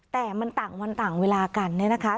แต่มันต่างวันต่างเวลากันเนี่ยนะคะ